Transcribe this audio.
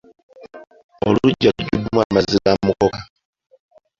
Oluggya lujjuddemu amazzi ga mukoka.